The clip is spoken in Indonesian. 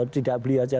tidak beli aja